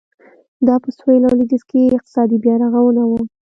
دا په سوېل او لوېدیځ کې اقتصادي بیارغونه وه.